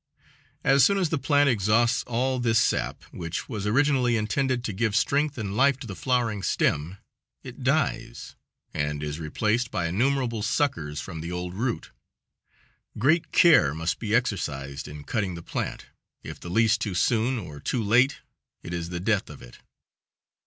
As soon as the plant exhausts all this sap, which was originally intended to give strength and life to the flowering stem, it dies, and is replaced by innumerable suckers from the old root. Great care must be exercised in cutting the plant if the least too soon or too late, it is the death of it.